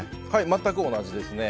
全く同じですね。